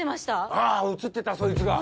あぁ映ってたそいつが。